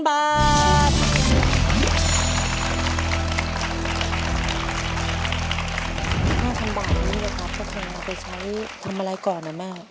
๕๐๐๐บาทช่องมาไปทำอะไรก่อนแล้วนะแม่